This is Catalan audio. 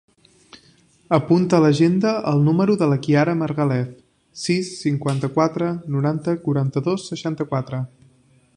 Apunta a l'agenda el número de la Kiara Margalef: sis, cinquanta-quatre, noranta, quaranta-dos, seixanta-quatre.